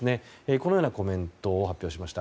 このようなコメントを発表しました。